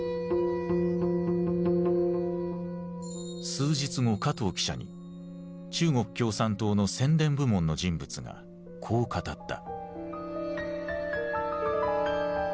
数日後加藤記者に中国共産党の宣伝部門の人物がこう語った。